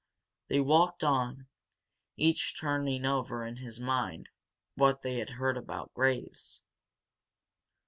They walked on, each turning over in his mind what they had heard about Graves.